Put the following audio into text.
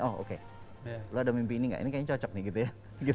oh oke lo ada mimpi ini gak ini kayaknya cocok nih gitu ya